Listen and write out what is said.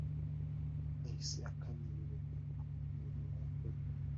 Hahise akanya bibagirwa imirimo yakoze